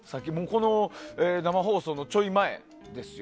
この生放送のちょい前ですよ。